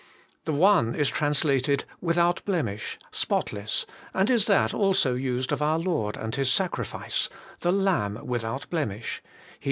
The one is translated without blemish, spotless, and is that also used of our Lord and His sacrifice, the Lamb without blemish (Heb.